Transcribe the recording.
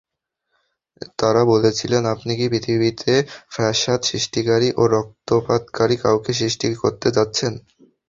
তারা বলেছিলেন, আপনি কি পৃথিবীতে ফ্যাসাদ সৃষ্টিকারী ও রক্তপাতকারী কাউকে সৃষ্টি করতে যাচ্ছেন?